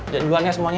dan duluan ya semuanya